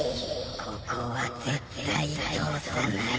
ここは絶対通さない。